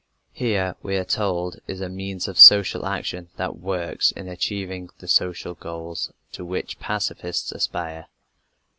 Here, we are told, is a means of social action that works in achieving the social goals to which pacifists aspire.